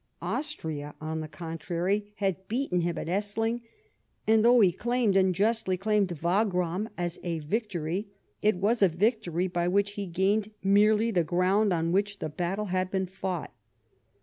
Austria, on the contrary, had beaten him at Essling, and though he claimed, and justly claimed, Wagram as a victory, it was a victory by which he gained merely the ground on which the battle had been fought.